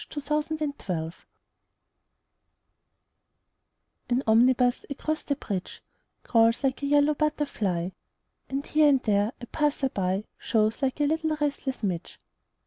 SYMPHONY IN YELLOW AN omnibus across the bridge Crawls like a yellow butterfly And, here and there, a passer by Shows like a little restless midge.